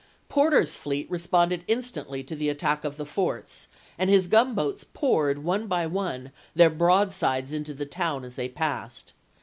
Porter's fleet responded instantly to the attack of the forts, and his gunboats poured, one by one, their broadsides into the town as they passed.